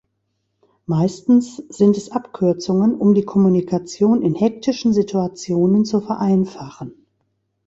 Meistens sind es Abkürzungen, um die Kommunikation in hektischen Situationen zu vereinfachen.